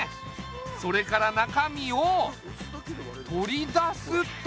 それから中身を取り出すと。